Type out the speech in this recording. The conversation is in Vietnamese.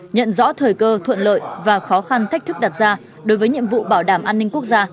nhận rõ thời cơ thuận lợi và khó khăn thách thức đặt ra đối với nhiệm vụ bảo đảm an ninh quốc gia